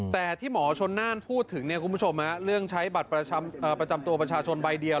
แต่ที่หมอชนนั่นพูดถึงเรื่องใช้บัตรประจำตัวประชาชนใบเดียว